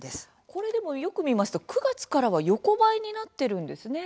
これでも、よく見ますと９月からは横ばいになっているんですね。